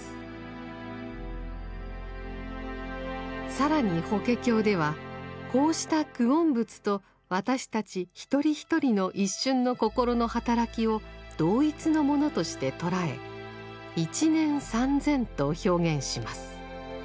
更に法華経ではこうした久遠仏と私たち一人一人の一瞬の心の働きを同一のものとして捉え「一念三千」と表現します。